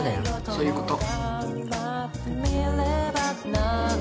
そういうこと。